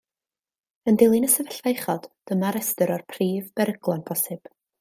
Yn dilyn y sefyllfa uchod, dyma restr o'r prif beryglon posibl